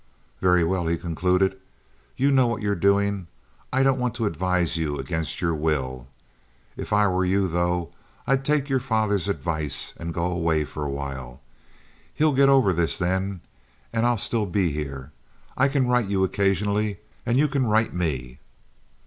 "Very well," he concluded. "You know what you're doing. I don't want to advise you against your will. If I were you, though, I'd take your father's advice and go away for a while. He'll get over this then, and I'll still be here. I can write you occasionally, and you can write me."